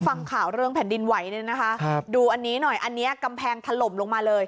ฟังข่าวเรื่องแผ่นดินไหวเนี่ยนะคะครับดูอันนี้หน่อยอันนี้กำแพงถล่มลงมาเลย